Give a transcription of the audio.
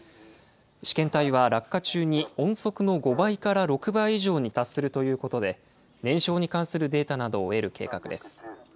試験体は落下中に音速の５倍から６倍以上に達するということで、燃焼に関するデータなどを得る計画です。